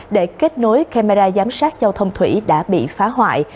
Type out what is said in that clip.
để kết nối camera giám sát giao thông thủy đã bị phá hoại